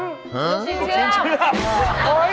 ลูกชิดเชื้อม